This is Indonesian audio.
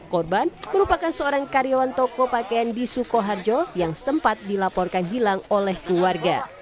korban merupakan seorang karyawan toko pakaian di sukoharjo yang sempat dilaporkan hilang oleh keluarga